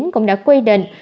cũng đã quy định